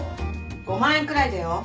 ５万円くらいだよ。